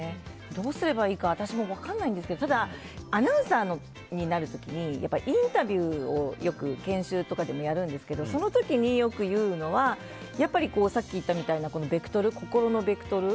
どうすればいいか私も分からないんですけどただ、アナウンサーになる時にインタビューを、研修とかでもよくやるんですけどその時によく言うのはやっぱりさっき言ったみたいな心のベクトル。